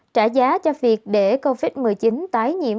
trả giá cho việc để covid một mươi chín tái nhiễm